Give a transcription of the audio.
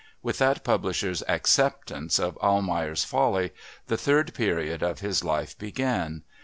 With that publisher's acceptance of Almayer's Folly the third period of his life began.